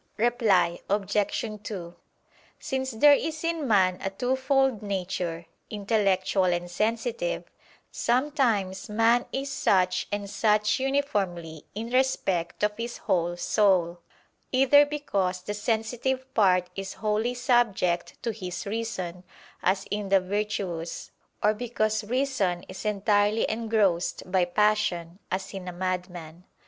Reply Obj. 2: Since there is in man a twofold nature, intellectual and sensitive; sometimes man is such and such uniformly in respect of his whole soul: either because the sensitive part is wholly subject to his reason, as in the virtuous; or because reason is entirely engrossed by passion, as in a madman.